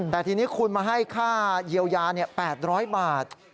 แต่ทีนี้คุณมาให้ค่าเยียวยา๘๐๐บาท